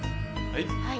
はい。